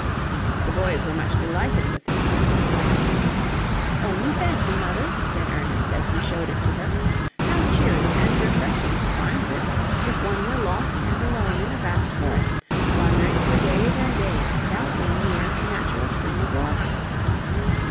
The boys were much delighted with this curious plant. "Only fancy, mother," said Ernest, as he showed it to her, "how cheering and refreshing to find this if one were lost and alone in a vast forest, wandering for days and days without being near a natural spring of water."